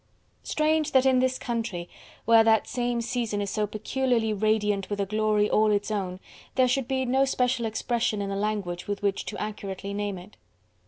Strange that in this country, where that same season is so peculiarly radiant with a glory all its own, there should be no special expression in the language with which to accurately name it.